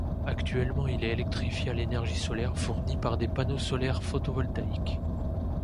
Actuellement, il est électrifié à l’énergie solaire fournie par des panneaux solaires photovoltaïques.